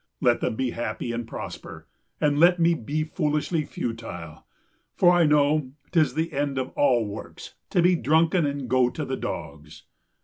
Let them be happy and prosper, and let me be foolishly futile. For I know 'tis the end of all works to be drunken and go to the dogs.